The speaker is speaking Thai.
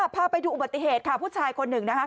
พาไปดูอุบัติเหตุค่ะผู้ชายคนหนึ่งนะคะ